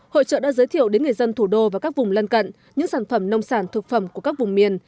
hội trợ đã giới thiệu đến người dân thủ đô và các vùng lân cận những sản phẩm nông sản thực phẩm của các vùng miền